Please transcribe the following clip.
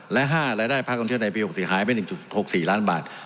และ๕รายได้ภาคท่องเที่ยวในปี๖เสียหายไป๑๖๔ล้านบาท